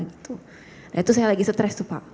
itu saya lagi stres tuh pak